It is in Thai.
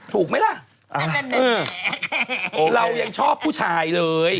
ถูกไหมล่ะเรายังชอบผู้ชายเลย